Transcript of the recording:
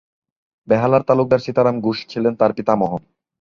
বেহালার তালুকদার সীতারাম ঘোষ ছিলেন তার পিতামহ।